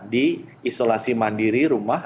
di isolasi mandiri rumah